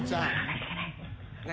何？